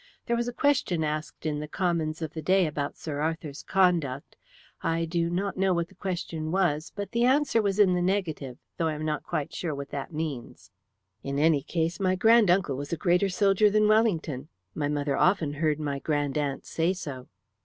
There was a question asked in the Commons of the day about Sir Arthur's conduct. I do not know what the question was, but the answer was in the negative, though I am not quite sure what that means. In any case, my grand uncle was a greater soldier than Wellington. My mother often heard my grand aunt say so."